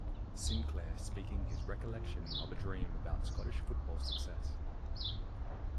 Sinclair speaking his recollection of a dream about Scottish football success.